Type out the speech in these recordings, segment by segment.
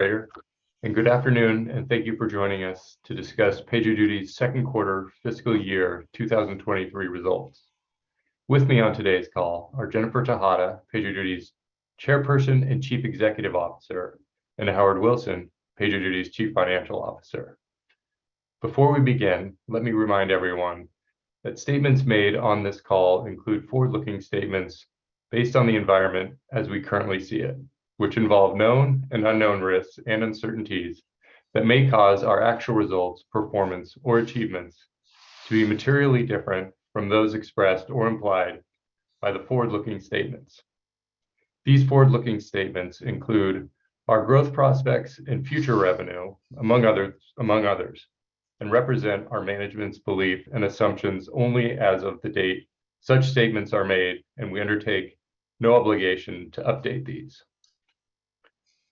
Good afternoon, and thank you for joining us to discuss PagerDuty's second quarter fiscal year 2023 results. With me on today's call are Jennifer Tejada, PagerDuty's Chairperson and Chief Executive Officer, and Howard Wilson, PagerDuty's Chief Financial Officer. Before we begin, let me remind everyone that statements made on this call include forward-looking statements based on the environment as we currently see it, which involve known and unknown risks and uncertainties that may cause our actual results, performance, or achievements to be materially different from those expressed or implied by the forward-looking statements. These forward-looking statements include our growth prospects and future revenue, among others, and represent our management's belief and assumptions only as of the date such statements are made, and we undertake no obligation to update these.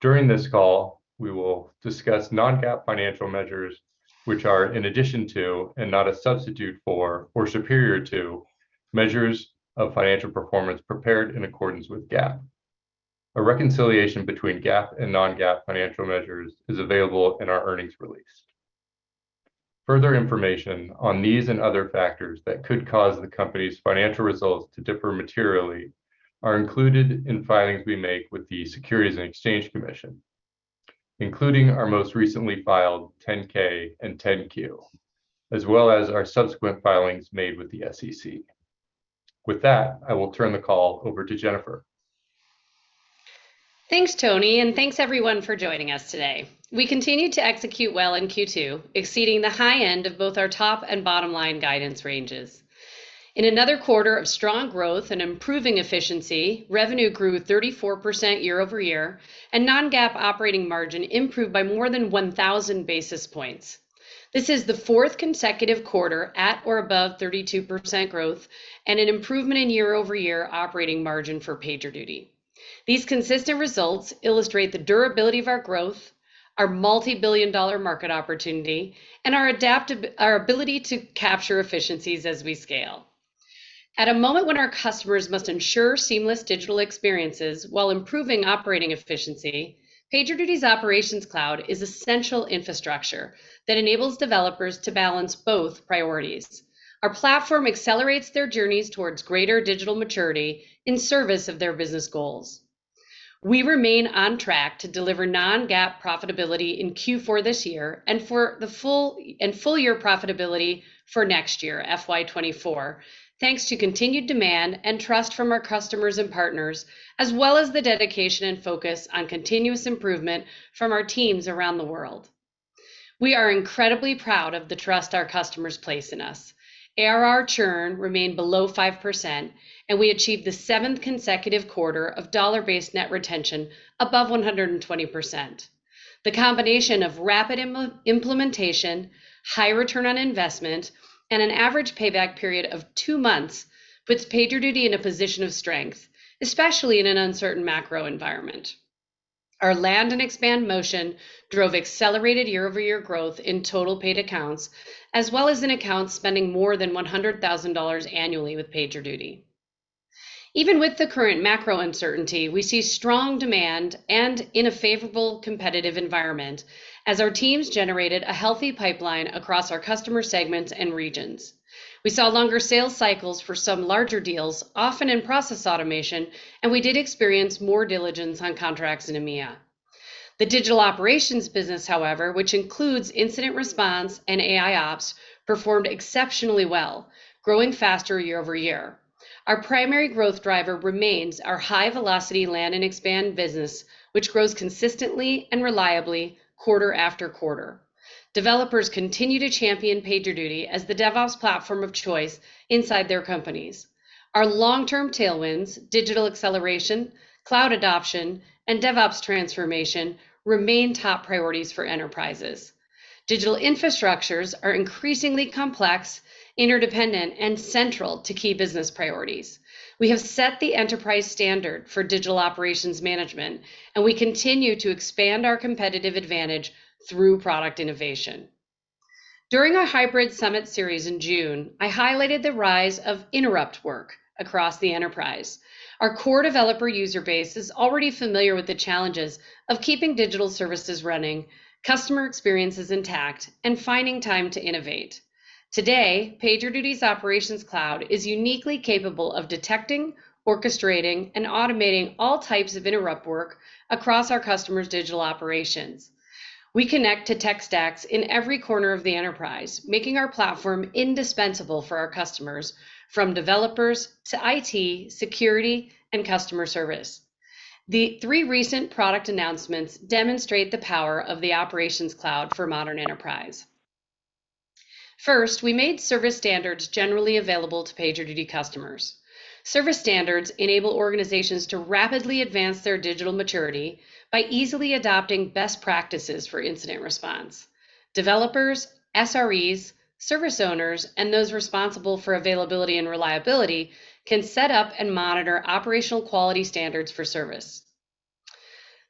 During this call, we will discuss non-GAAP financial measures, which are in addition to and not a substitute for or superior to measures of financial performance prepared in accordance with GAAP. A reconciliation between GAAP and non-GAAP financial measures is available in our earnings release. Further information on these and other factors that could cause the company's financial results to differ materially are included in filings we make with the Securities and Exchange Commission, including our most recently filed 10-K and 10-Q, as well as our subsequent filings made with the SEC. With that, I will turn the call over to Jennifer. Thanks, Tony, and thanks everyone for joining us today. We continue to execute well in Q2, exceeding the high end of both our top and bottom line guidance ranges. In another quarter of strong growth and improving efficiency, revenue grew 34% year-over-year, and non-GAAP operating margin improved by more than 1000 basis points. This is the fourth consecutive quarter at or above 32% growth and an improvement in year-over-year operating margin for PagerDuty. These consistent results illustrate the durability of our growth, our multi-billion dollar market opportunity, and our ability to capture efficiencies as we scale. At a moment when our customers must ensure seamless digital experiences while improving operating efficiency, PagerDuty's Operations Cloud is essential infrastructure that enables developers to balance both priorities. Our platform accelerates their journeys towards greater digital maturity in service of their business goals. We remain on track to deliver non-GAAP profitability in Q4 this year, and for the full year profitability for next year, FY 2024, thanks to continued demand and trust from our customers and partners, as well as the dedication and focus on continuous improvement from our teams around the world. We are incredibly proud of the trust our customers place in us. ARR churn remained below 5%, and we achieved the seventh consecutive quarter of dollar-based net retention above 120%. The combination of rapid implementation, high return on investment, and an average payback period of two months puts PagerDuty in a position of strength, especially in an uncertain macro environment. Our land and expand motion drove accelerated year-over-year growth in total paid accounts, as well as in accounts spending more than $100,000 annually with PagerDuty. Even with the current macro uncertainty, we see strong demand and in a favorable competitive environment as our teams generated a healthy pipeline across our customer segments and regions. We saw longer sales cycles for some larger deals, often in process automation, and we did experience more diligence on contracts in EMEA. The digital operations business, however, which includes incident response and AIOps, performed exceptionally well, growing faster year over year. Our primary growth driver remains our high velocity land and expand business, which grows consistently and reliably quarter after quarter. Developers continue to champion PagerDuty as the DevOps platform of choice inside their companies. Our long-term tailwinds, digital acceleration, cloud adoption, and DevOps transformation remain top priorities for enterprises. Digital infrastructures are increasingly complex, interdependent, and central to key business priorities. We have set the enterprise standard for digital operations management, and we continue to expand our competitive advantage through product innovation. During our Hybrid Summit series in June, I highlighted the rise of interrupt work across the enterprise. Our core developer user base is already familiar with the challenges of keeping digital services running, customer experiences intact, and finding time to innovate. Today, PagerDuty's Operations Cloud is uniquely capable of detecting, orchestrating, and automating all types of interrupt work across our customers' digital operations. We connect to tech stacks in every corner of the enterprise, making our platform indispensable for our customers from developers to IT, security, and customer service. The three recent product announcements demonstrate the power of the Operations Cloud for modern enterprise. First, we made Service Standards generally available to PagerDuty customers. Service Standards enable organizations to rapidly advance their digital maturity by easily adopting best practices for incident response. Developers, SREs, service owners, and those responsible for availability and reliability can set up and monitor operational quality standards for service.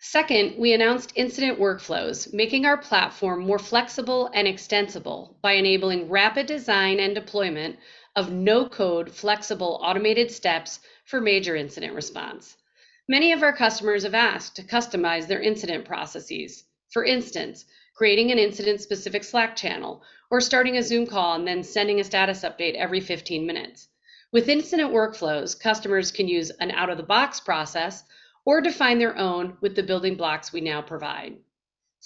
Second, we announced Incident Workflows, making our platform more flexible and extensible by enabling rapid design and deployment of no-code, flexible, automated steps for major incident response. Many of our customers have asked to customize their incident processes. For instance, creating an incident-specific Slack channel or starting a Zoom call and then sending a status update every 15 minutes. With Incident Workflows, customers can use an out-of-the-box process or define their own with the building blocks we now provide.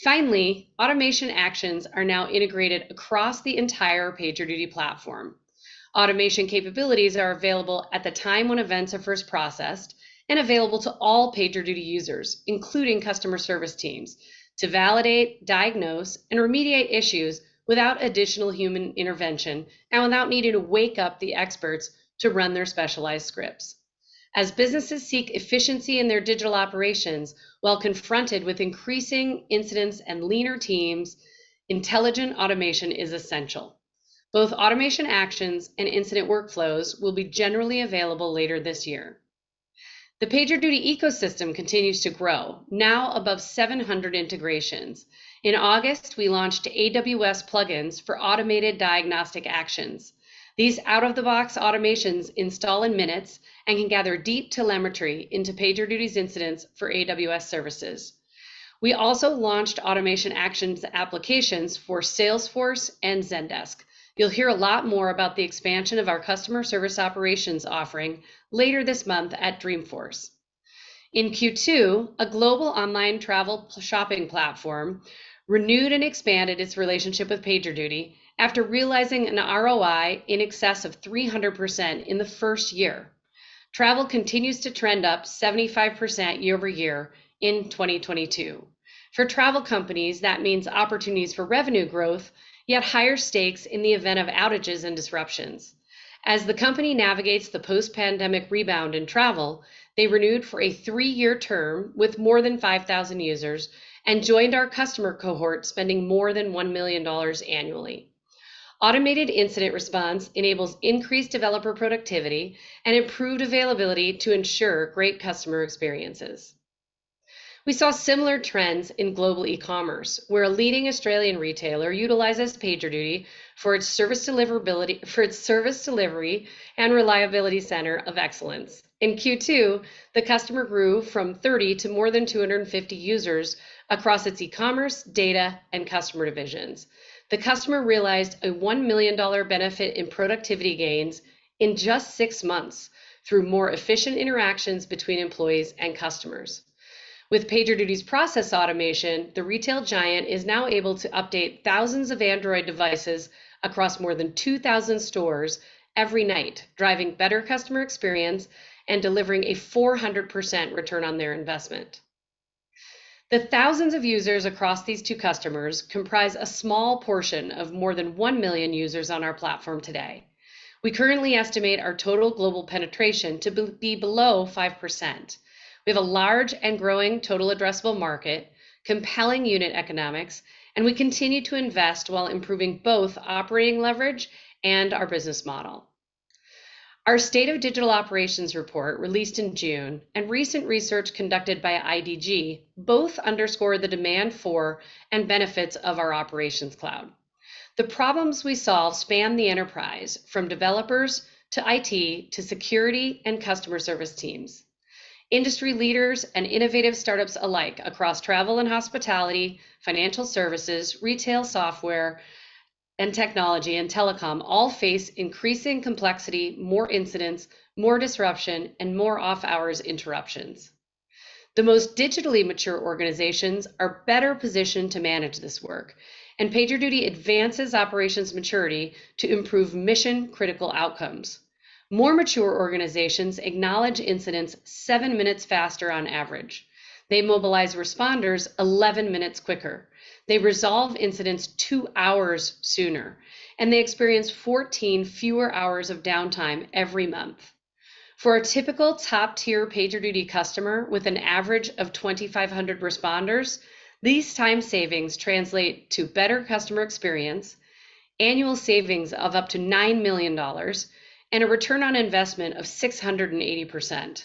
Finally, Automation Actions are now integrated across the entire PagerDuty platform. Automation capabilities are available at the time when events are first processed and available to all PagerDuty users, including customer service teams, to validate, diagnose, and remediate issues without additional human intervention and without needing to wake up the experts to run their specialized scripts. As businesses seek efficiency in their digital operations while confronted with increasing incidents and leaner teams, intelligent automation is essential. Both automation actions and incident workflows will be generally available later this year. The PagerDuty ecosystem continues to grow, now above 700 integrations. In August, we launched AWS plugins for automated diagnostic actions. These out-of-the-box automations install in minutes and can gather deep telemetry into PagerDuty's incidents for AWS services. We also launched automation actions applications for Salesforce and Zendesk. You'll hear a lot more about the expansion of our customer service operations offering later this month at Dreamforce. In Q2, a global online travel shopping platform renewed and expanded its relationship with PagerDuty after realizing an ROI in excess of 300% in the first year. Travel continues to trend up 75% year-over-year in 2022. For travel companies, that means opportunities for revenue growth, yet higher stakes in the event of outages and disruptions. As the company navigates the post-pandemic rebound in travel, they renewed for a three-year term with more than 5,000 users and joined our customer cohort, spending more than $1 million annually. Automated incident response enables increased developer productivity and improved availability to ensure great customer experiences. We saw similar trends in global e-commerce, where a leading Australian retailer utilizes PagerDuty for its service delivery and reliability center of excellence. In Q2, the customer grew from 30 to more than 250 users across its e-commerce, data, and customer divisions. The customer realized a $1 million benefit in productivity gains in just six months through more efficient interactions between employees and customers. With PagerDuty's Process Automation, the retail giant is now able to update thousands of Android devices across more than 2,000 stores every night, driving better customer experience and delivering a 400% return on their investment. The thousands of users across these two customers comprise a small portion of more than 1 million users on our platform today. We currently estimate our total global penetration to be below 5%. We have a large and growing total addressable market, compelling unit economics, and we continue to invest while improving both operating leverage and our business model. Our State of Digital Operations Report, released in June, and recent research conducted by IDG both underscore the demand for and benefits of our Operations Cloud. The problems we solve span the enterprise from developers to IT to security and customer service teams. Industry leaders and innovative startups alike across travel and hospitality, financial services, retail software, and technology and telecom all face increasing complexity, more incidents, more disruption, and more off-hours interruptions. The most digitally mature organizations are better positioned to manage this work, and PagerDuty advances operations maturity to improve mission-critical outcomes. More mature organizations acknowledge incidents 7 minutes faster on average. They mobilize responders 11 minutes quicker. They resolve incidents 2 hours sooner. They experience 14 fewer hours of downtime every month. For a typical top-tier PagerDuty customer with an average of 2,500 responders, these time savings translate to better customer experience, annual savings of up to $9 million, and a return on investment of 680%.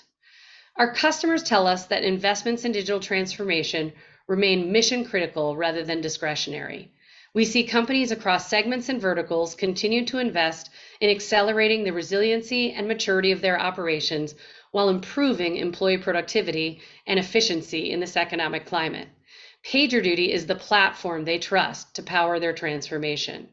Our customers tell us that investments in digital transformation remain mission-critical rather than discretionary. We see companies across segments and verticals continue to invest in accelerating the resiliency and maturity of their operations while improving employee productivity and efficiency in this economic climate. PagerDuty is the platform they trust to power their transformation.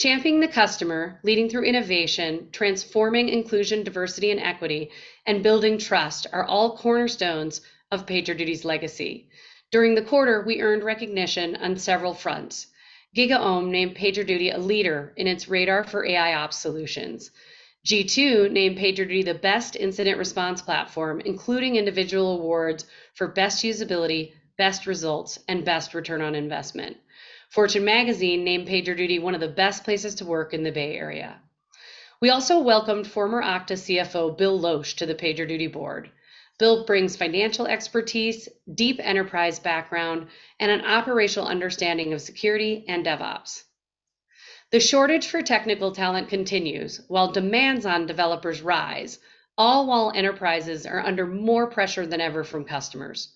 Championing the customer, leading through innovation, transforming inclusion, diversity, and equity, and building trust are all cornerstones of PagerDuty's legacy. During the quarter, we earned recognition on several fronts. GigaOm named PagerDuty a leader in its radar for AIOps solutions. G2 named PagerDuty the best incident response platform, including individual awards for best usability, best results, and best return on investment. Fortune Magazine named PagerDuty one of the best places to work in the Bay Area. We also welcomed former Okta CFO Bill Losch to the PagerDuty board. Bill brings financial expertise, deep enterprise background, and an operational understanding of security and DevOps. The shortage for technical talent continues while demands on developers rise, all while enterprises are under more pressure than ever from customers.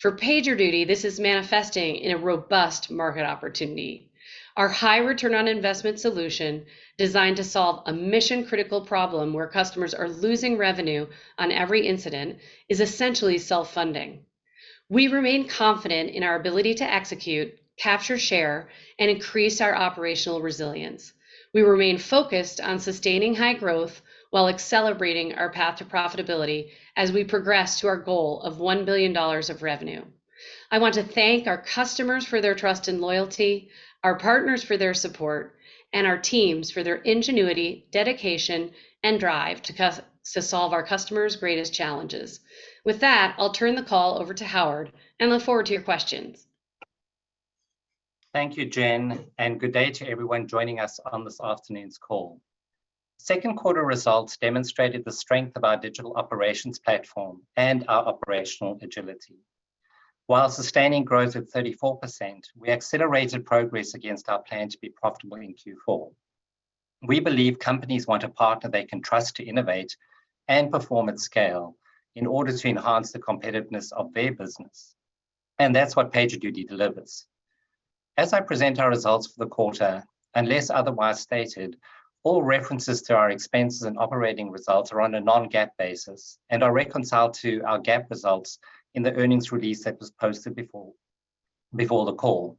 For PagerDuty, this is manifesting in a robust market opportunity. Our high return on investment solution designed to solve a mission-critical problem where customers are losing revenue on every incident is essentially self-funding. We remain confident in our ability to execute, capture share, and increase our operational resilience. We remain focused on sustaining high growth while accelerating our path to profitability as we progress to our goal of $1 billion of revenue. I want to thank our customers for their trust and loyalty, our partners for their support, and our teams for their ingenuity, dedication, and drive to solve our customers' greatest challenges. With that, I'll turn the call over to Howard and look forward to your questions. Thank you, Jen, and good day to everyone joining us on this afternoon's call. Second quarter results demonstrated the strength of our digital operations platform and our operational agility. While sustaining growth at 34%, we accelerated progress against our plan to be profitable in Q4. We believe companies want a partner they can trust to innovate and perform at scale in order to enhance the competitiveness of their business, and that's what PagerDuty delivers. As I present our results for the quarter, unless otherwise stated, all references to our expenses and operating results are on a non-GAAP basis and are reconciled to our GAAP results in the earnings release that was posted before the call.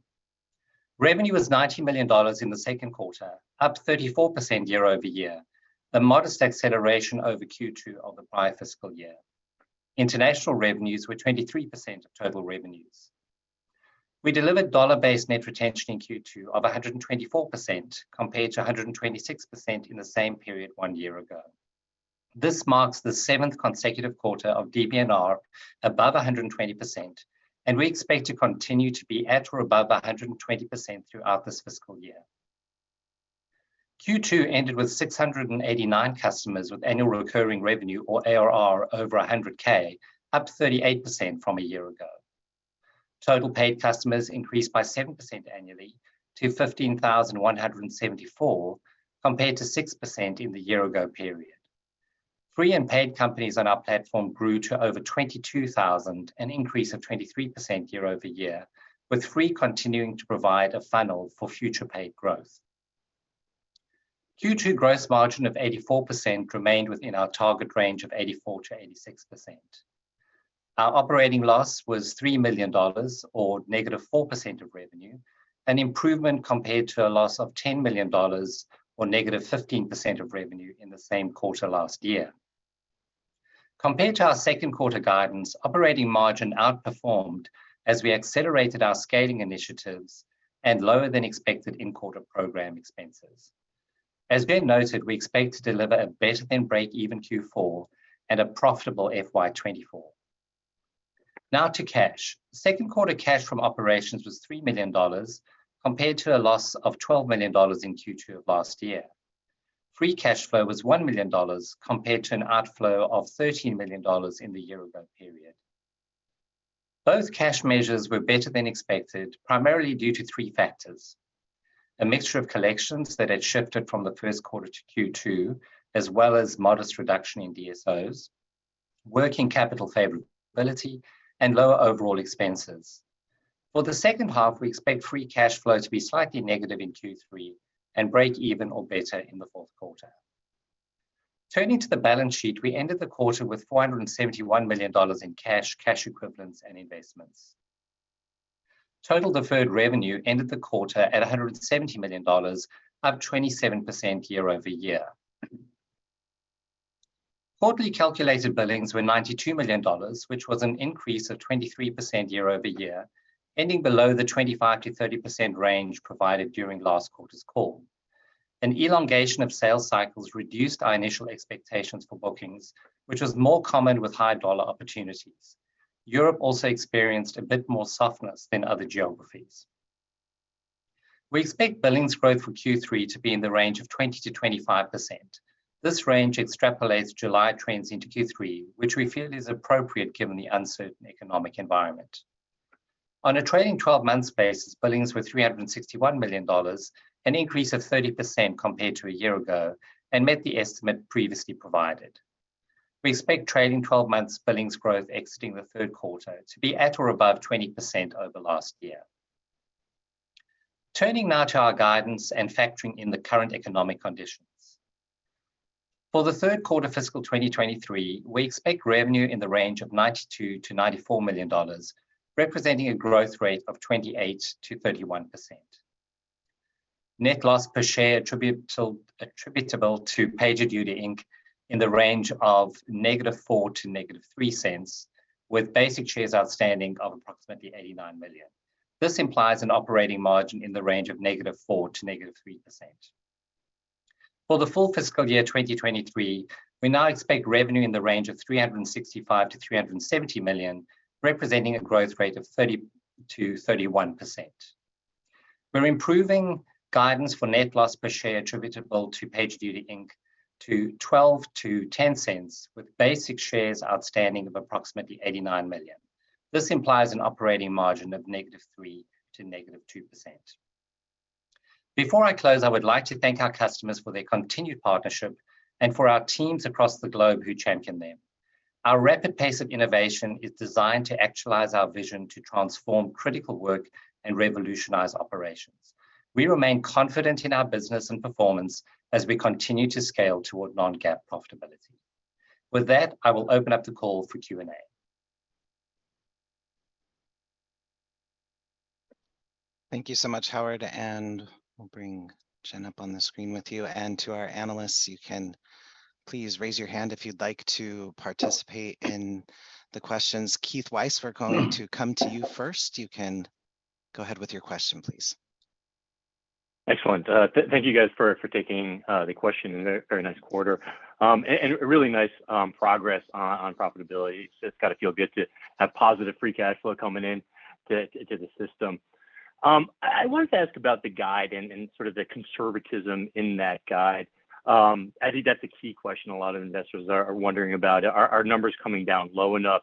Revenue was $90 million in the second quarter, up 34% year-over-year, a modest acceleration over Q2 of the prior fiscal year. International revenues were 23% of total revenues. We delivered dollar-based net retention in Q2 of 124% compared to 126% in the same period one year ago. This marks the seventh consecutive quarter of DBNR above 120%, and we expect to continue to be at or above 120% throughout this fiscal year. Q2 ended with 689 customers with annual recurring revenue or ARR over 100K, up 38% from a year ago. Total paid customers increased by 7% annually to 15,174, compared to 6% in the year-ago period. Free and paid companies on our platform grew to over 22,000, an increase of 23% year-over-year, with free continuing to provide a funnel for future paid growth. Q2 gross margin of 84% remained within our target range of 84%-86%. Our operating loss was $3 million or -4% of revenue, an improvement compared to a loss of $10 million or negative 15% of revenue in the same quarter last year. Compared to our second quarter guidance, operating margin outperformed as we accelerated our scaling initiatives and lower than expected in-quarter program expenses. As Ben noted, we expect to deliver a better than break-even Q4 and a profitable FY 2024. Now to cash. Second quarter cash from operations was $3 million compared to a loss of $12 million in Q2 of last year. Free cash flow was $1 million compared to an outflow of $13 million in the year ago period. Both cash measures were better than expected, primarily due to three factors, a mixture of collections that had shifted from the first quarter to Q2, as well as modest reduction in DSOs, working capital favorability, and lower overall expenses. For the second half, we expect free cash flow to be slightly negative in Q3 and break even or better in the fourth quarter. Turning to the balance sheet, we ended the quarter with $471 million in cash equivalents, and investments. Total deferred revenue ended the quarter at $170 million, up 27% year-over-year. Quarterly calculated billings were $92 million, which was an increase of 23% year-over-year, ending below the 25%-30% range provided during last quarter's call. An elongation of sales cycles reduced our initial expectations for bookings, which was more common with high-dollar opportunities. Europe also experienced a bit more softness than other geographies. We expect billings growth for Q3 to be in the range of 20%-25%. This range extrapolates July trends into Q3, which we feel is appropriate given the uncertain economic environment. On a trailing twelve months basis, billings were $361 million, an increase of 30% compared to a year ago, and met the estimate previously provided. We expect trailing twelve months billings growth exiting the third quarter to be at or above 20% over last year. Turning now to our guidance and factoring in the current economic conditions. For the third quarter fiscal 2023, we expect revenue in the range of $92 million-$94 million, representing a growth rate of 28%-31%. Net loss per share attributable to PagerDuty, Inc. in the range of -$0.04 to -$0.03, with basic shares outstanding of approximately 89 million. This implies an operating margin in the range of -4% to -3%. For the full fiscal year 2023, we now expect revenue in the range of $365 million-$370 million, representing a growth rate of 30%-31%. We're improving guidance for net loss per share attributable to PagerDuty, Inc. to -$0.12 to -$0.10, with basic shares outstanding of approximately 89 million. This implies an operating margin of -3% to -2%. Before I close, I would like to thank our customers for their continued partnership and for our teams across the globe who champion them. Our rapid pace of innovation is designed to actualize our vision to transform critical work and revolutionize operations. We remain confident in our business and performance as we continue to scale toward non-GAAP profitability. With that, I will open up the call for Q&A. Thank you so much, Howard, and we'll bring Jen up on the screen with you. To our analysts, you can please raise your hand if you'd like to participate in the questions. Keith Weiss, we're going to come to you first. You can go ahead with your question, please. Excellent. Thank you guys for taking the question. Very nice quarter, and really nice progress on profitability. It's got to feel good to have positive free cash flow coming into the system. I wanted to ask about the guide and sort of the conservatism in that guide. I think that's a key question a lot of investors are wondering about. Are numbers coming down low enough?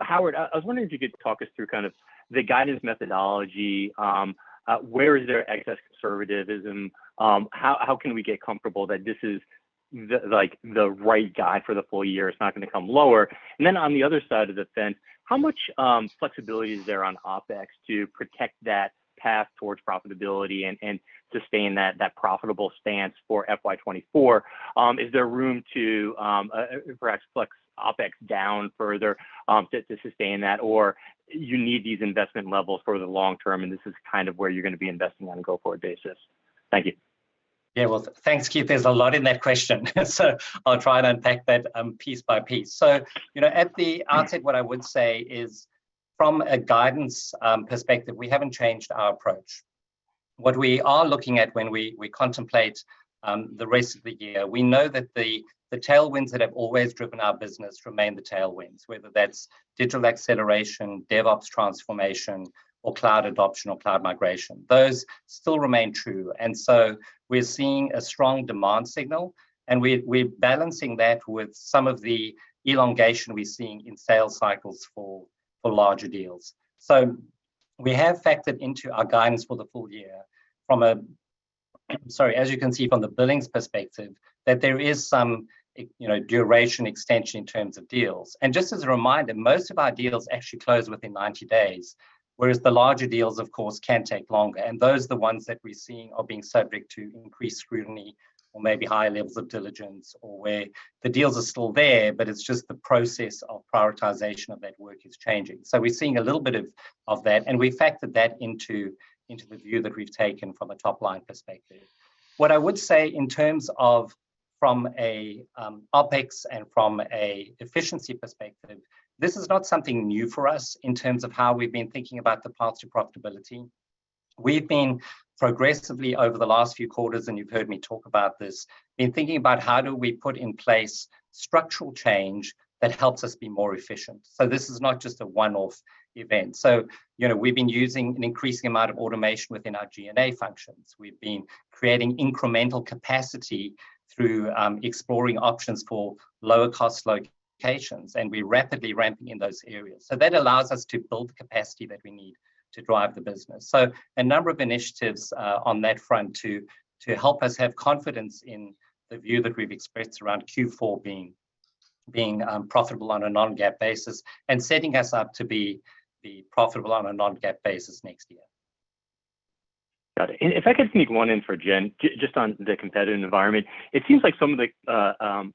Howard, I was wondering if you could talk us through kind of the guidance methodology. Where is there excess conservatism? How can we get comfortable that this is the, like, the right guide for the full year, it's not gonna come lower? On the other side of the fence, how much flexibility is there on OpEx to protect that path towards profitability and sustain that profitable stance for FY 2024? Is there room to perhaps flex OpEx down further to sustain that? Or you need these investment levels for the long term, and this is kind of where you're gonna be investing on a go-forward basis? Thank you. Yeah. Well, thanks, Keith. There's a lot in that question, so I'll try to unpack that, piece by piece. You know, at the outset, what I would say is, from a guidance perspective, we haven't changed our approach. What we are looking at when we contemplate the rest of the year, we know that the tailwinds that have always driven our business remain the tailwinds, whether that's digital acceleration, DevOps transformation, or cloud adoption or cloud migration. Those still remain true. We're seeing a strong demand signal, and we're balancing that with some of the elongation we're seeing in sales cycles for larger deals. We have factored into our guidance for the full year. As you can see from the billings perspective, that there is some, you know, duration extension in terms of deals. Just as a reminder, most of our deals actually close within 90 days, whereas the larger deals, of course, can take longer, and those are the ones that we're seeing are being subject to increased scrutiny or maybe higher levels of diligence or where the deals are still there, but it's just the process of prioritization of that work is changing. We're seeing a little bit of that, and we factored that into the view that we've taken from a top-line perspective. What I would say in terms of from a, OpEx and from a efficiency perspective, this is not something new for us in terms of how we've been thinking about the path to profitability. We've been progressively over the last few quarters, and you've heard me talk about this, been thinking about how do we put in place structural change that helps us be more efficient. This is not just a one-off event. You know, we've been using an increasing amount of automation within our G&A functions. We've been creating incremental capacity through exploring options for lower cost locations, and we're rapidly ramping in those areas. That allows us to build the capacity that we need to drive the business. A number of initiatives on that front to help us have confidence in the view that we've expressed around Q4 being profitable on a non-GAAP basis and setting us up to be profitable on a non-GAAP basis next year. Got it. If I could sneak one in for Jen, just on the competitive environment. It seems like some of the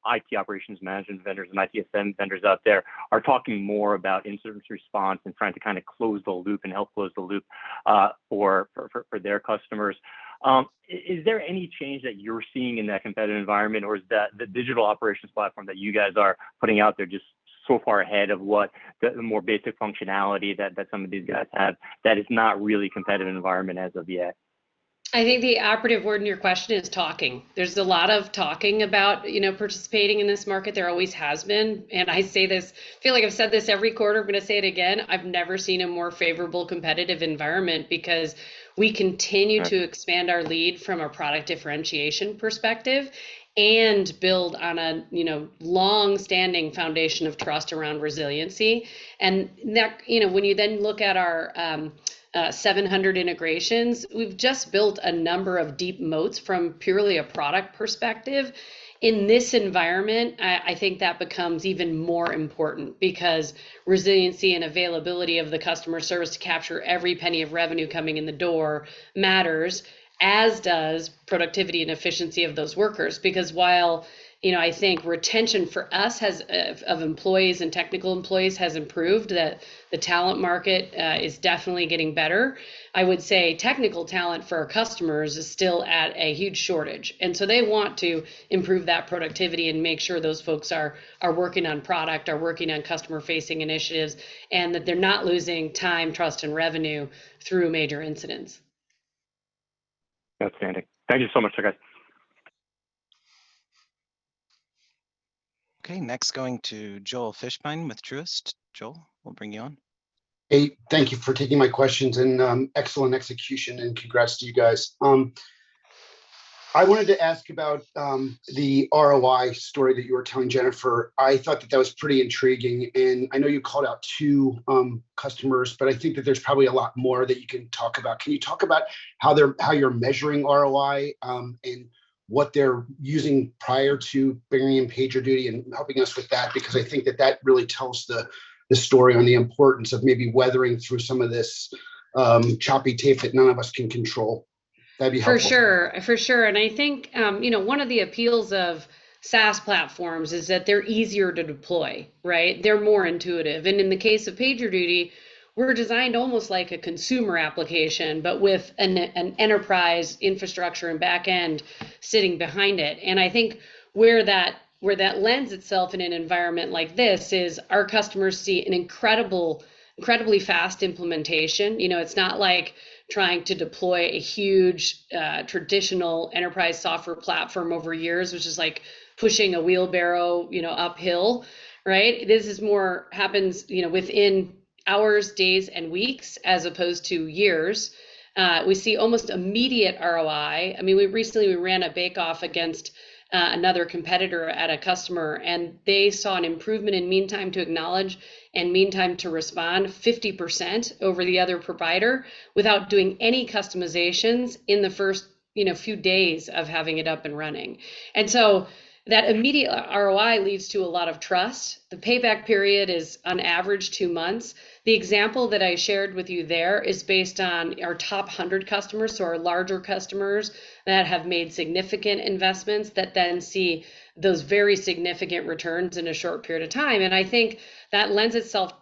IT operations management vendors and ITSM vendors out there are talking more about incident response and trying to close the loop and help close the loop for their customers. Is there any change that you're seeing in that competitive environment, or is the digital operations platform that you guys are putting out there just so far ahead of what the more basic functionality that some of these guys have that it's not really a competitive environment as of yet? I think the operative word in your question is talking. There's a lot of talking about, you know, participating in this market. There always has been. I say this, feel like I've said this every quarter, I'm gonna say it again. I've never seen a more favorable competitive environment because we continue. Right to expand our lead from a product differentiation perspective and build on a you know long-standing foundation of trust around resiliency. You know when you then look at our 700 integrations we've just built a number of deep moats from purely a product perspective. In this environment I think that becomes even more important because resiliency and availability of the customer service to capture every penny of revenue coming in the door matters as does productivity and efficiency of those workers. While you know I think retention for us has of employees and technical employees has improved that the talent market is definitely getting better. I would say technical talent for our customers is still at a huge shortage, and so they want to improve that productivity and make sure those folks are working on product, are working on customer-facing initiatives, and that they're not losing time, trust, and revenue through major incidents. Outstanding. Thank you so much. Okay. Okay. Next going to Joel Fishbein with Truist. Joel, we'll bring you on. Hey, thank you for taking my questions, and excellent execution, and congrats to you guys. I wanted to ask about the ROI story that you were telling Jennifer. I thought that was pretty intriguing, and I know you called out two customers, but I think that there's probably a lot more that you can talk about. Can you talk about how you're measuring ROI, and what they're using prior to bringing in PagerDuty and helping us with that? Because I think that really tells the story on the importance of maybe weathering through some of this choppy tape that none of us can control. That'd be helpful. For sure. I think, you know, one of the appeals of SaaS platforms is that they're easier to deploy, right? They're more intuitive. In the case of PagerDuty, we're designed almost like a consumer application, but with an enterprise infrastructure and back-end sitting behind it. I think where that lends itself in an environment like this is our customers see an incredibly fast implementation. You know, it's not like trying to deploy a huge, traditional enterprise software platform over years, which is like pushing a wheelbarrow, you know, uphill, right? This more happens, you know, within hours, days, and weeks as opposed to years. We see almost immediate ROI. I mean, we recently ran a bake-off against another competitor at a customer, and they saw an improvement in meantime to acknowledge and meantime to respond 50% over the other provider without doing any customizations in the first, you know, few days of having it up and running. That immediate ROI leads to a lot of trust. The payback period is on average two months. The example that I shared with you there is based on our top 100 customers, so our larger customers that have made significant investments that then see those very significant returns in a short period of time. I think that lends itself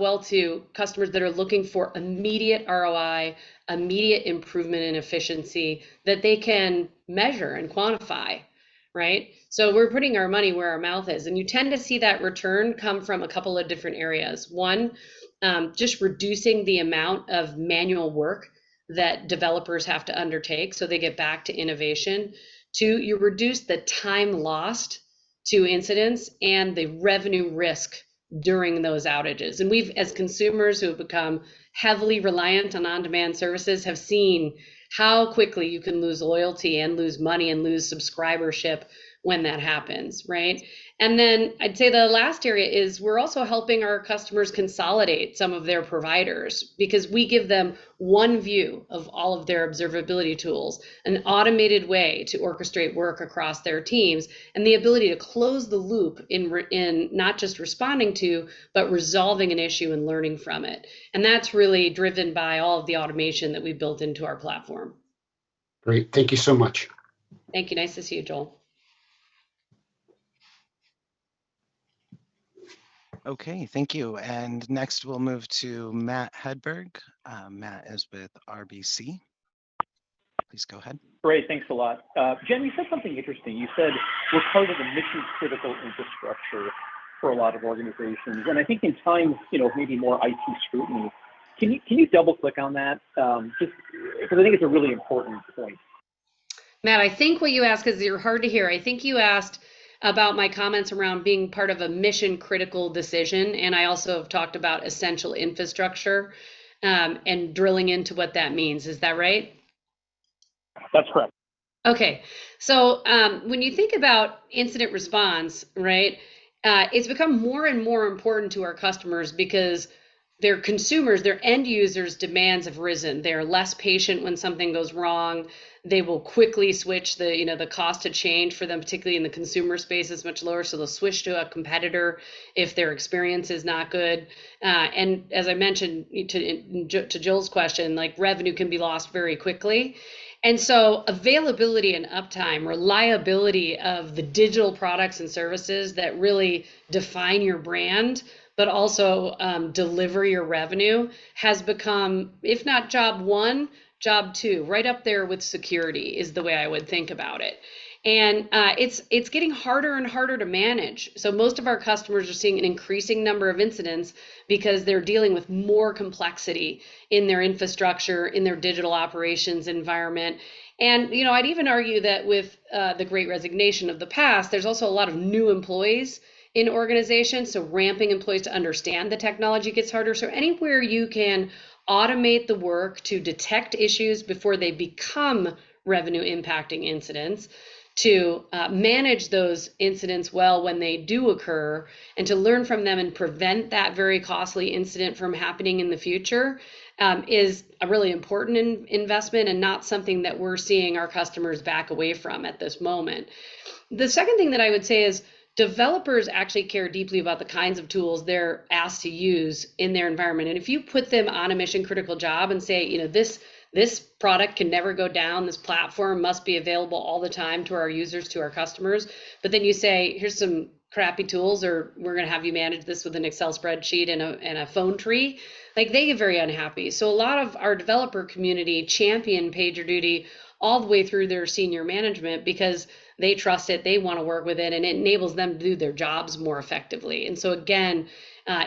well to customers that are looking for immediate ROI, immediate improvement and efficiency that they can measure and quantify, right? We're putting our money where our mouth is. You tend to see that return come from a couple of different areas. One, just reducing the amount of manual work that developers have to undertake, so they get back to innovation. Two, you reduce the time lost to incidents and the revenue risk during those outages. We, as consumers who have become heavily reliant on on-demand services, have seen how quickly you can lose loyalty and lose money and lose subscribership when that happens, right? I'd say the last area is we're also helping our customers consolidate some of their providers because we give them one view of all of their observability tools, an automated way to orchestrate work across their teams, and the ability to close the loop in not just responding to, but resolving an issue and learning from it. That's really driven by all of the automation that we built into our platform. Great. Thank you so much. Thank you. Nice to see you, Joel. Okay. Thank you. Next we'll move to Matt Hedberg. Matt is with RBC. Please go ahead. Great. Thanks a lot. Jen, you said something interesting. You said we're part of a mission-critical infrastructure for a lot of organizations. I think in times, you know, of maybe more IT scrutiny, can you double-click on that? Just 'cause I think it's a really important point. Matt, I think what you ask is. You're hard to hear. I think you asked about my comments around being part of a mission-critical decision, and I also have talked about essential infrastructure, and drilling into what that means. Is that right? That's correct. Okay. When you think about incident response, right, it's become more and more important to our customers because their consumers, their end users' demands have risen. They're less patient when something goes wrong. They will quickly switch. You know, the cost to change for them, particularly in the consumer space, is much lower, so they'll switch to a competitor if their experience is not good. As I mentioned to Joel's question, like revenue can be lost very quickly. Availability and uptime, reliability of the digital products and services that really define your brand but also deliver your revenue has become, if not job one, job two. Right up there with security is the way I would think about it. It's getting harder and harder to manage. Most of our customers are seeing an increasing number of incidents because they're dealing with more complexity in their infrastructure, in their digital operations environment. You know, I'd even argue that with the great resignation of the past, there's also a lot of new employees in organizations, so ramping employees to understand the technology gets harder. Anywhere you can automate the work to detect issues before they become revenue-impacting incidents, to manage those incidents well when they do occur, and to learn from them and prevent that very costly incident from happening in the future, is a really important investment and not something that we're seeing our customers back away from at this moment. The second thing that I would say is developers actually care deeply about the kinds of tools they're asked to use in their environment. If you put them on a mission-critical job and say, "You know, this product can never go down. This platform must be available all the time to our users, to our customers," but then you say, "Here's some crappy tools," or, "We're gonna have you manage this with an Excel spreadsheet and a phone tree," like they get very unhappy. A lot of our developer community champion PagerDuty all the way through their senior management because they trust it, they wanna work with it, and it enables them to do their jobs more effectively. Again,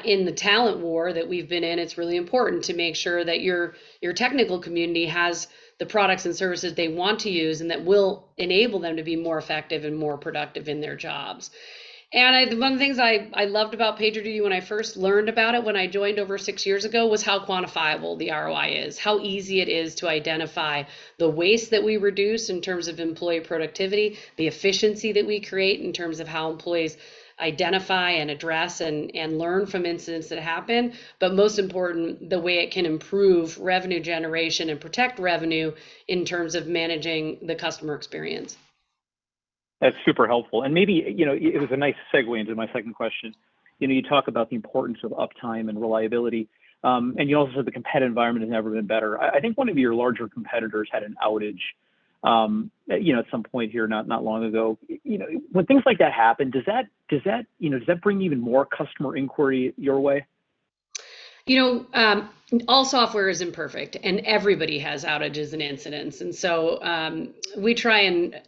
in the talent war that we've been in, it's really important to make sure that your technical community has the products and services they want to use and that will enable them to be more effective and more productive in their jobs. I, one of the things I loved about PagerDuty when I first learned about it when I joined over 6 years ago, was how quantifiable the ROI is, how easy it is to identify the waste that we reduce in terms of employee productivity, the efficiency that we create in terms of how employees identify and address and learn from incidents that happen. Most important, the way it can improve revenue generation and protect revenue in terms of managing the customer experience. That's super helpful. Maybe it was a nice segue into my second question. You talk about the importance of uptime and reliability, and you also said the competitive environment has never been better. I think one of your larger competitors had an outage at some point here not long ago. When things like that happen, does that bring even more customer inquiry your way? You know, all software is imperfect, and everybody has outages and incidents. We try and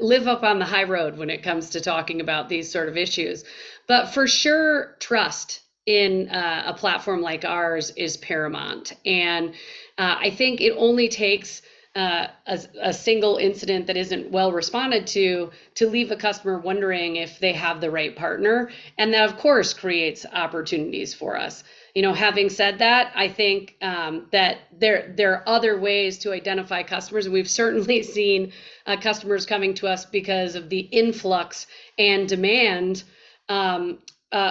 live up on the high road when it comes to talking about these sort of issues. But for sure, trust in a platform like ours is paramount. I think it only takes a single incident that isn't well responded to to leave a customer wondering if they have the right partner, and that, of course, creates opportunities for us. You know, having said that, I think that there are other ways to identify customers. We've certainly seen customers coming to us because of the influx and demand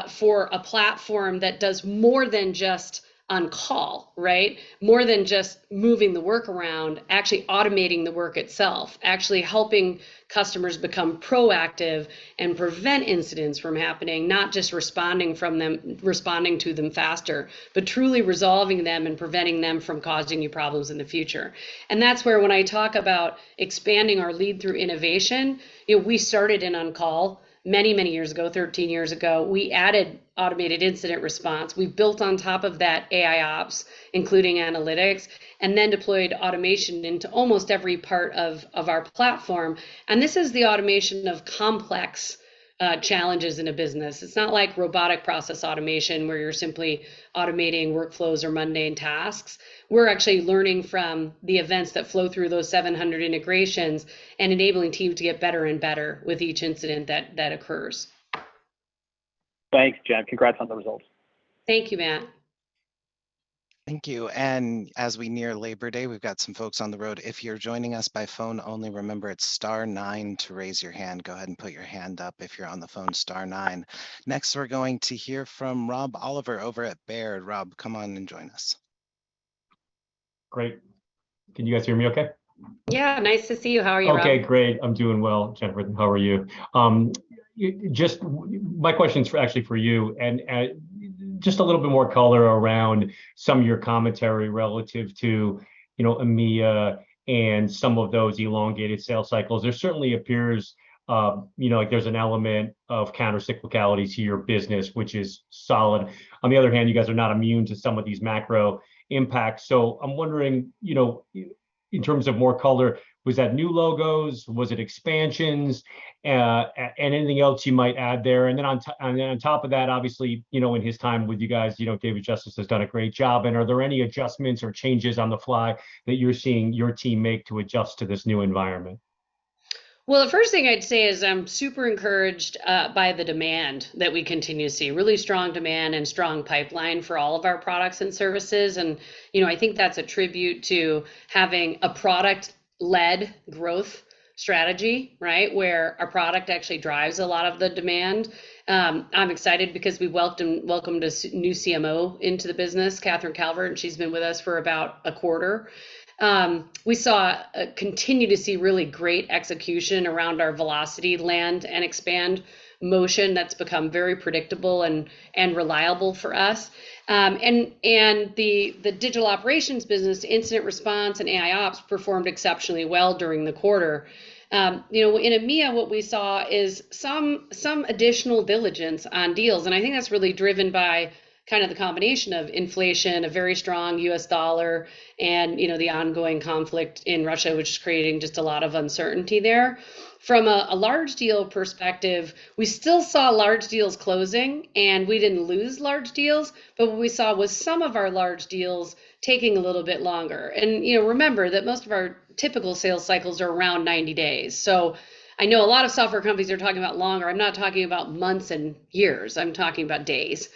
for a platform that does more than just on-call, right? More than just moving the work around, actually automating the work itself, actually helping customers become proactive and prevent incidents from happening, not just responding to them, responding to them faster. Truly resolving them and preventing them from causing you problems in the future. That's where when I talk about expanding our lead through innovation, you know, we started in on-call many, many years ago, 13 years ago. We added automated incident response. We built on top of that AIOps, including analytics, and then deployed automation into almost every part of our platform. This is the automation of complex challenges in a business. It's not like robotic process automation where you're simply automating workflows or mundane tasks. We're actually learning from the events that flow through those 700 integrations and enabling teams to get better and better with each incident that occurs. Thanks, Jen. Congrats on the results. Thank you, Matt. Thank you. As we near Labor Day, we've got some folks on the road. If you're joining us by phone only, remember it's star nine to raise your hand. Go ahead and put your hand up if you're on the phone, star nine. Next, we're going to hear from Rob Oliver over at Baird. Rob, come on and join us. Great. Can you guys hear me okay? Yeah, nice to see you. How are you, Rob? Okay, great. I'm doing well, Jennifer. How are you? My question is for, actually for you, and just a little bit more color around some of your commentary relative to, you know, EMEA and some of those elongated sales cycles. There certainly appears, you know, like there's an element of countercyclicality to your business, which is solid. On the other hand, you guys are not immune to some of these macro impacts. I'm wondering, you know, in terms of more color, was that new logos? Was it expansions? and anything else you might add there. on top of that, obviously, you know, in his time with you guys, you know, Dave Justice has done a great job, and are there any adjustments or changes on the fly that you're seeing your team make to adjust to this new environment? Well, the first thing I'd say is I'm super encouraged by the demand that we continue to see. Really strong demand and strong pipeline for all of our products and services, and you know, I think that's a tribute to having a product-led growth strategy, right? Where our product actually drives a lot of the demand. I'm excited because we welcomed a new CMO into the business, Katherine Calvert, and she's been with us for about a quarter. We continue to see really great execution around our velocity land and expand motion that's become very predictable and reliable for us. The digital operations business, incident response and AI ops performed exceptionally well during the quarter. You know, in EMEA, what we saw is some additional diligence on deals, and I think that's really driven by kind of the combination of inflation, a very strong U.S. dollar and, you know, the ongoing conflict in Russia, which is creating just a lot of uncertainty there. From a large deal perspective, we still saw large deals closing, and we didn't lose large deals, but what we saw was some of our large deals taking a little bit longer. You know, remember that most of our typical sales cycles are around 90 days. I know a lot of software companies are talking about longer. I'm not talking about months and years, I'm talking about days.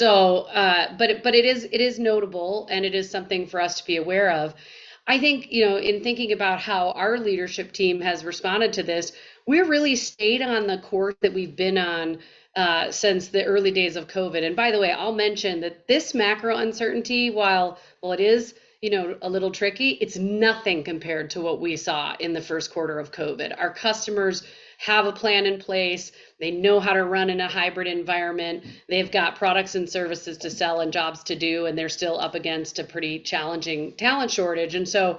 It is notable, and it is something for us to be aware of. I think, you know, in thinking about how our leadership team has responded to this, we've really stayed on the course that we've been on since the early days of COVID. By the way, I'll mention that this macro uncertainty, while it is, you know, a little tricky, it's nothing compared to what we saw in the first quarter of COVID. Our customers have a plan in place. They know how to run in a hybrid environment. They've got products and services to sell and jobs to do, and they're still up against a pretty challenging talent shortage, and so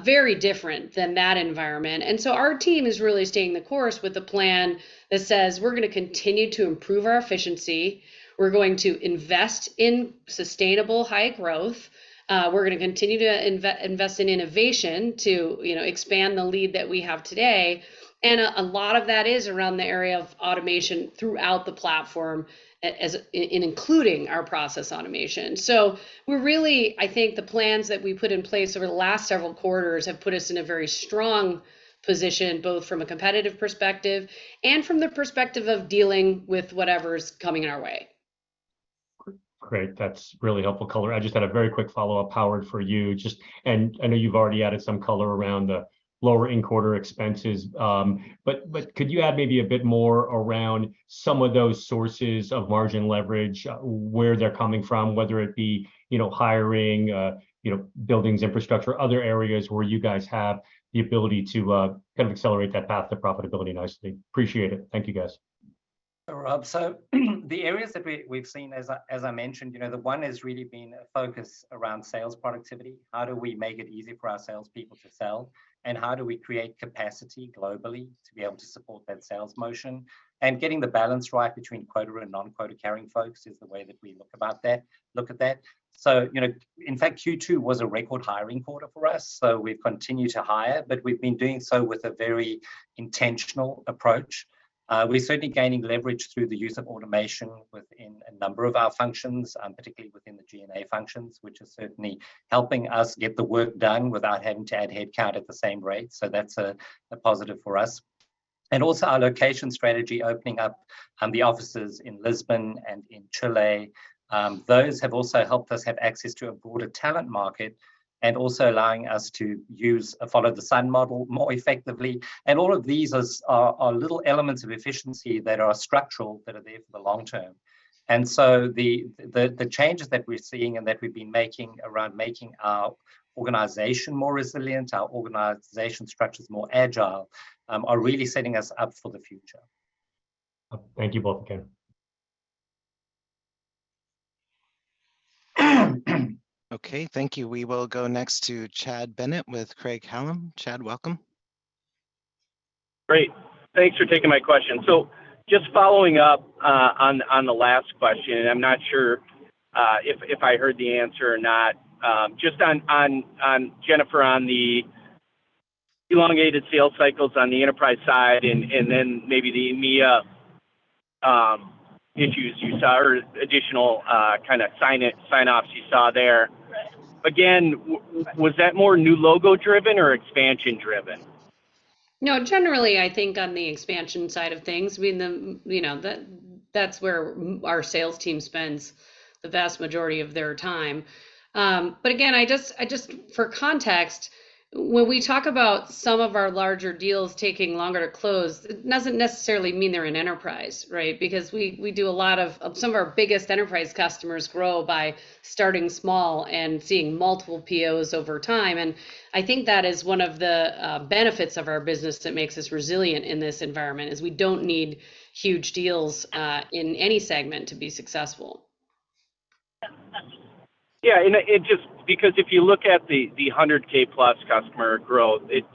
very different than that environment. Our team is really staying the course with a plan that says we're gonna continue to improve our efficiency. We're going to invest in sustainable high growth. We're gonna continue to invest in innovation to, you know, expand the lead that we have today. A lot of that is around the area of automation throughout the platform, including our Process Automation. I think the plans that we put in place over the last several quarters have put us in a very strong position, both from a competitive perspective and from the perspective of dealing with whatever's coming our way. Great. That's really helpful color. I just had a very quick follow-up, Howard, for you. Just, and I know you've already added some color around the lower end quarter expenses, but could you add maybe a bit more around some of those sources of margin leverage, where they're coming from, whether it be, you know, hiring, you know, buildings, infrastructure, other areas where you guys have the ability to, kind of accelerate that path to profitability nicely? Appreciate it. Thank you, guys. Sure, Rob. The areas that we've seen as I mentioned, you know, the one has really been a focus around sales productivity. How do we make it easy for our salespeople to sell, and how do we create capacity globally to be able to support that sales motion? Getting the balance right between quota and non-quota carrying folks is the way that we look at that. You know, in fact, Q2 was a record hiring quarter for us, so we've continued to hire, but we've been doing so with a very intentional approach. We're certainly gaining leverage through the use of automation within a number of our functions, particularly within the G&A functions, which is certainly helping us get the work done without having to add headcount at the same rate. That's a positive for us. Also our location strategy, opening up the offices in Lisbon and in Chile, those have also helped us have access to a broader talent market and also allowing us to use a follow the sun model more effectively. All of these are little elements of efficiency that are structural, that are there for the long term. The changes that we're seeing and that we've been making around making our organization more resilient, our organization structures more agile, are really setting us up for the future. Thank you both again. Okay, thank you. We will go next to Chad Bennett with Craig-Hallum. Chad, welcome. Great. Thanks for taking my question. Just following up on the last question, and I'm not sure if I heard the answer or not. Just on Jennifer on the elongated sales cycles on the enterprise side and then maybe the EMEA issues you saw or additional kind of sign-offs you saw there. Again, was that more new logo driven or expansion driven? No, generally, I think on the expansion side of things, I mean, that's where our sales team spends the vast majority of their time. Again, I just, for context, when we talk about some of our larger deals taking longer to close, it doesn't necessarily mean they're in enterprise, right? Because we do a lot of some of our biggest enterprise customers grow by starting small and seeing multiple POs over time, and I think that is one of the benefits of our business that makes us resilient in this environment, is we don't need huge deals in any segment to be successful. Yeah, it just. Because if you look at the 100K plus customer growth, it's,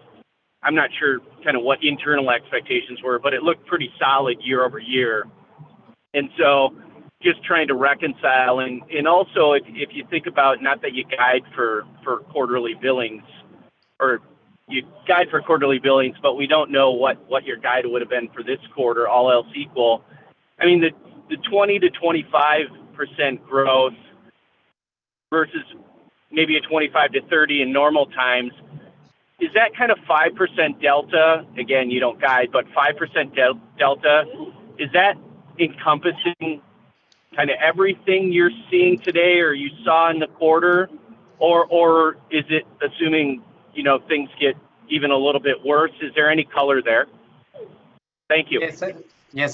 I'm not sure kind of what the internal expectations were, but it looked pretty solid year-over-year. Just trying to reconcile. Also, if you think about, not that you guide for quarterly billings, but we don't know what your guide would've been for this quarter, all else equal. I mean, the 20%-25% growth versus maybe 25%-30% in normal times, is that kind of 5% delta, again you don't guide, but 5% delta, is that encompassing kind of everything you're seeing today or you saw in the quarter? Or is it assuming, you know, things get even a little bit worse? Is there any color there? Thank you. Yes.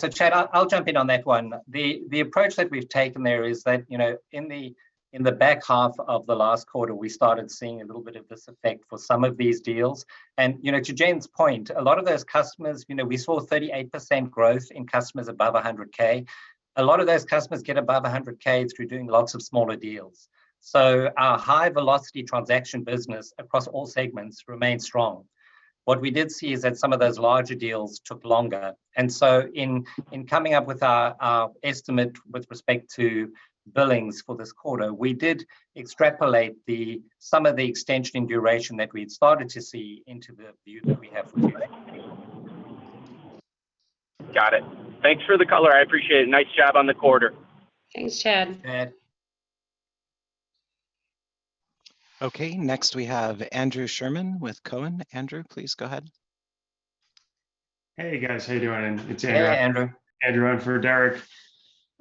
Yeah, Chad, I'll jump in on that one. The approach that we've taken there is that, you know, in the back half of the last quarter, we started seeing a little bit of this effect for some of these deals. To Jen's point, a lot of those customers, you know, we saw 38% growth in customers above $100K. A lot of those customers get above $100K through doing lots of smaller deals. Our high velocity transaction business across all segments remained strong. What we did see is that some of those larger deals took longer. In coming up with our estimate with respect to billings for this quarter, we did extrapolate some of the extension and duration that we had started to see into the view that we have for today. Got it. Thanks for the color. I appreciate it. Nice job on the quarter. Thanks, Chad. Thanks. Okay, next we have Andrew Sherman with Cowen. Andrew, please go ahead. Hey, guys. How you doing? It's Andrew- Hey, Andrew. Andrew on for Derek.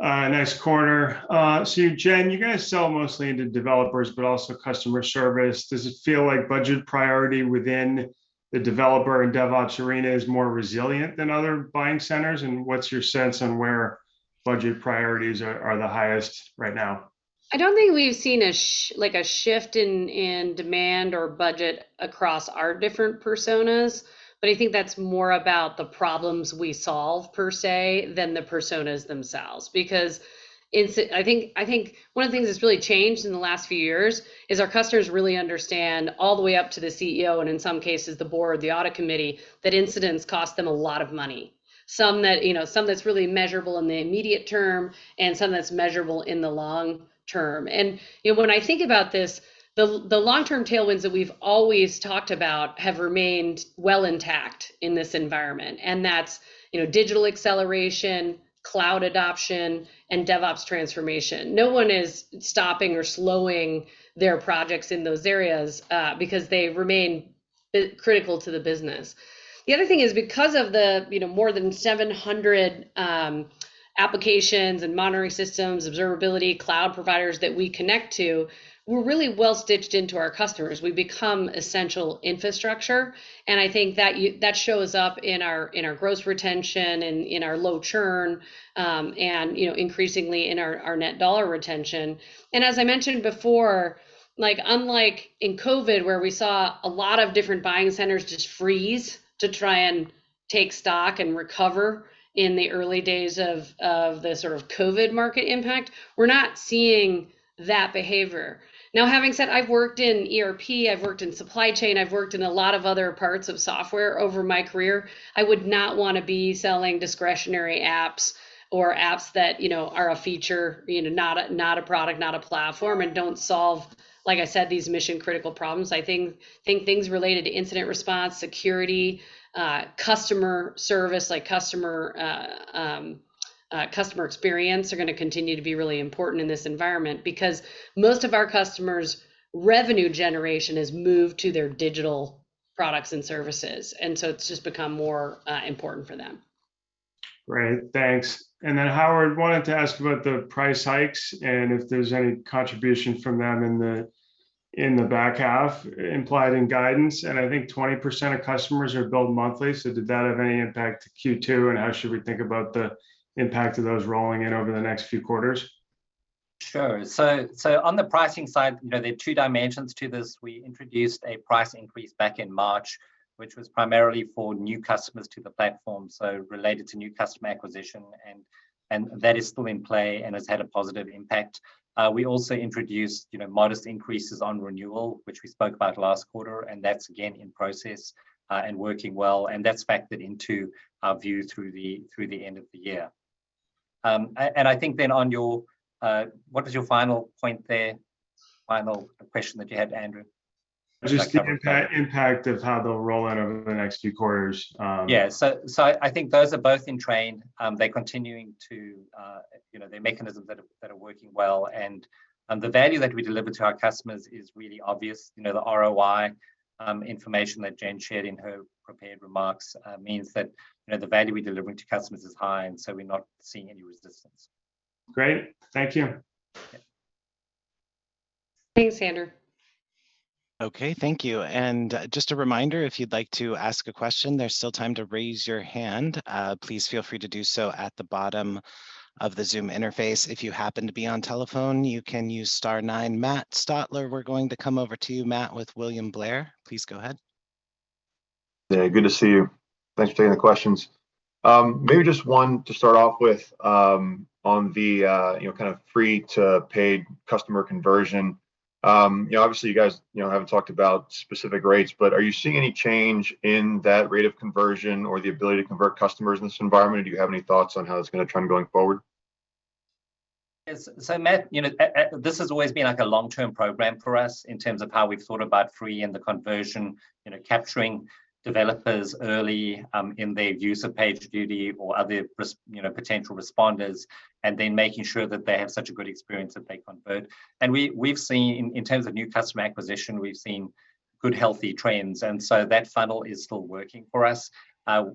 Nice quarter. Jen, you guys sell mostly into developers, but also customer service. Does it feel like budget priority within the developer and DevOps arena is more resilient than other buying centers? What's your sense on where budget priorities are the highest right now? I don't think we've seen like a shift in demand or budget across our different personas, but I think that's more about the problems we solve per se than the personas themselves. I think one of the things that's really changed in the last few years is our customers really understand all the way up to the CEO, and in some cases the board, the audit committee, that incidents cost them a lot of money. Some of that, you know, some that's really measurable in the immediate term, and some that's measurable in the long term. You know, when I think about this, the long-term tailwinds that we've always talked about have remained well intact in this environment, and that's, you know, digital acceleration, cloud adoption, and DevOps transformation. No one is stopping or slowing their projects in those areas because they remain but critical to the business. The other thing is because of the, you know, more than 700 applications and monitoring systems, observability, cloud providers that we connect to, we're really well stitched into our customers. We've become essential infrastructure, and I think that that shows up in our gross retention and in our low churn, and, you know, increasingly in our net dollar retention. As I mentioned before, like unlike in COVID, where we saw a lot of different buying centers just freeze to try and take stock and recover in the early days of the sort of COVID market impact, we're not seeing that behavior. Now, having said I've worked in ERP, I've worked in supply chain, I've worked in a lot of other parts of software over my career, I would not wanna be selling discretionary apps or apps that, you know, are a feature, you know, not a product, not a platform and don't solve, like I said, these mission-critical problems. I think things related to incident response, security, customer service, like customer experience are gonna continue to be really important in this environment because most of our customers' revenue generation has moved to their digital products and services. It's just become more important for them. Great. Thanks. Howard, wanted to ask about the price hikes and if there's any contribution from them in the back half implied in guidance, and I think 20% of customers are billed monthly, so did that have any impact to Q2, and how should we think about the impact of those rolling in over the next few quarters? Sure. On the pricing side, you know, there are two dimensions to this. We introduced a price increase back in March, which was primarily for new customers to the platform, so related to new customer acquisition and that is still in play and has had a positive impact. We also introduced, you know, modest increases on renewal, which we spoke about last quarter, and that's again in process, and working well, and that's factored into our view through the end of the year. I think then on your what was your final point there, final question that you had, Andrew? Just the impact of how they'll roll out over the next few quarters. Yeah. I think those are both in train. They're continuing to, you know, they're mechanisms that are working well. The value that we deliver to our customers is really obvious. You know, the ROI information that Jen shared in her prepared remarks means that, you know, the value we're delivering to customers is high, so we're not seeing any resistance. Great. Thank you. Thanks, Andrew. Okay. Thank you. Just a reminder, if you'd like to ask a question, there's still time to raise your hand. Please feel free to do so at the bottom of the Zoom interface. If you happen to be on telephone, you can use star nine. Matt Stotler, we're going to come over to you, Matt, with William Blair. Please go ahead. Yeah, good to see you. Thanks for taking the questions. Maybe just one to start off with, on the, you know, kind of free to paid customer conversion. You know, obviously, you guys, you know, haven't talked about specific rates, but are you seeing any change in that rate of conversion or the ability to convert customers in this environment? Or do you have any thoughts on how that's gonna trend going forward? Yes. Matt, you know, this has always been like a long-term program for us in terms of how we've thought about free and the conversion, you know, capturing developers early, in their use of PagerDuty or other, you know, potential responders, and then making sure that they have such a good experience that they convert. We've seen, in terms of new customer acquisition, we've seen good healthy trends, and so that funnel is still working for us.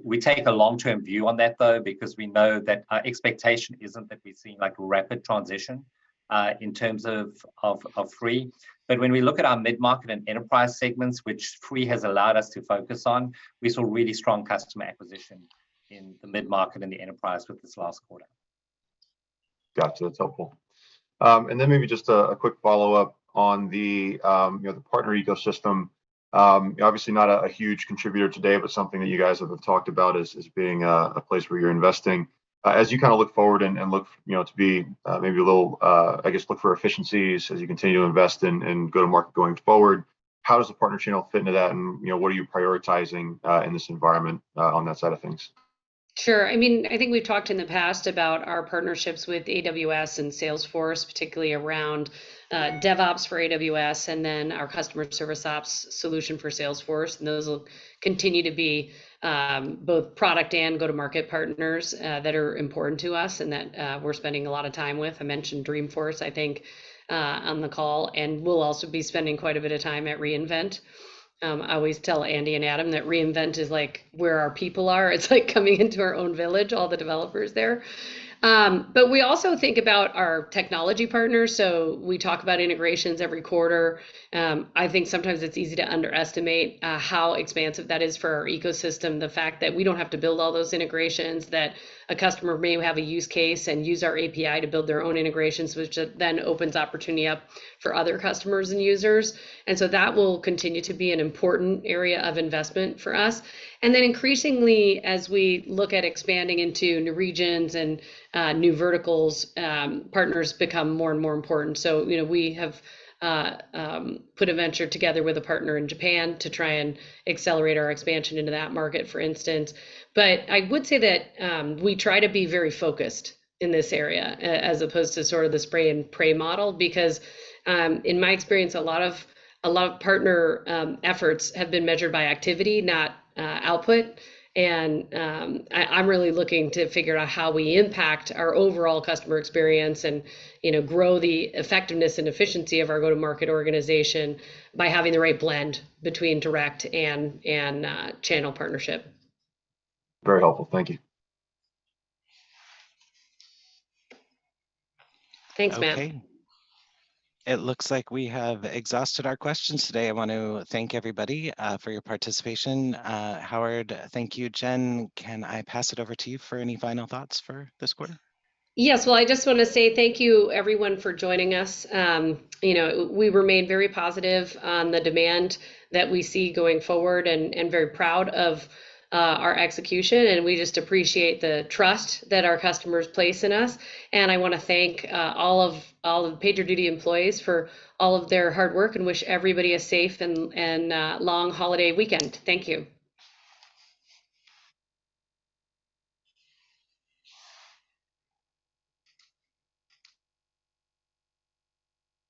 We take a long-term view on that though because we know that our expectation isn't that we've seen like rapid transition, in terms of free. When we look at our mid-market and enterprise segments, which free has allowed us to focus on, we saw really strong customer acquisition in the mid-market and the enterprise with this last quarter. Gotcha. That's helpful. Then maybe just a quick follow-up on the partner ecosystem. Obviously not a huge contributor today, but something that you guys have talked about as being a place where you're investing. As you kinda look forward and you know, to be maybe a little I guess look for efficiencies as you continue to invest in and go to market going forward, how does the partner channel fit into that and, you know, what are you prioritizing in this environment on that side of things? Sure. I mean, I think we've talked in the past about our partnerships with AWS and Salesforce, particularly around DevOps for AWS and then our Customer Service Ops solution for Salesforce, and those will continue to be both product and go-to-market partners that are important to us and that we're spending a lot of time with. I mentioned Dreamforce, I think, on the call, and we'll also be spending quite a bit of time at re:Invent. I always tell Andy and Adam that re:Invent is like where our people are. It's like coming into our own village, all the developers there. We also think about our technology partners, so we talk about integrations every quarter. I think sometimes it's easy to underestimate how expansive that is for our ecosystem, the fact that we don't have to build all those integrations, that a customer may have a use case and use our API to build their own integrations, which then opens opportunity up for other customers and users. That will continue to be an important area of investment for us. Increasingly, as we look at expanding into new regions and new verticals, partners become more and more important. You know, we have put a venture together with a partner in Japan to try and accelerate our expansion into that market, for instance. I would say that we try to be very focused in this area as opposed to sort of the spray and pray model because in my experience a lot of partner efforts have been measured by activity not output. I'm really looking to figure out how we impact our overall customer experience and you know grow the effectiveness and efficiency of our go-to-market organization by having the right blend between direct and channel partnership. Very helpful. Thank you. Thanks, Matt. Okay. It looks like we have exhausted our questions today. I want to thank everybody for your participation. Howard, thank you. Jen, can I pass it over to you for any final thoughts for this quarter? Yes. Well, I just wanna say thank you, everyone, for joining us. You know, we remain very positive on the demand that we see going forward and very proud of our execution, and we just appreciate the trust that our customers place in us. I wanna thank all of the PagerDuty employees for all of their hard work and wish everybody a safe and long holiday weekend. Thank you.